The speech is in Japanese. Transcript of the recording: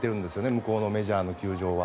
向こうのメジャーの球場は。